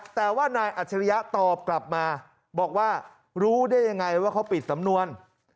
แต่ว่านายอัจฉริยะตอบกลับมาบอกว่ารู้ได้ยังไงว่าเขาปิดสำนวน